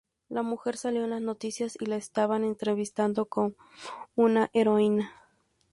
La mujer salió en las noticias y la estaban entrevistando como una heroína.